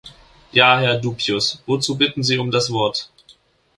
Ja, Herr Dupuis, wozu bitten Sie um das Wort?